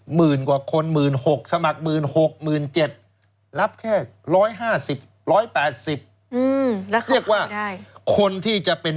หมื่นกว่าคนหมื่นหกสมัครหมื่นหกหมื่นเจ็ด